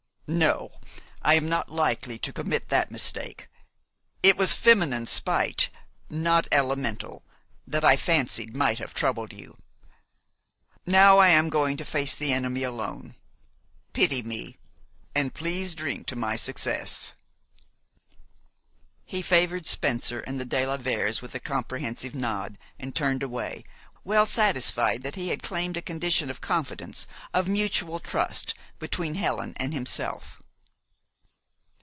"No. I am not likely to commit that mistake. It was feminine spite, not elemental, that I fancied might have troubled you. Now I am going to face the enemy alone. Pity me, and please drink to my success." He favored Spencer and the de la Veres with a comprehensive nod, and turned away, well satisfied that he had claimed a condition of confidence, of mutual trust, between Helen and himself.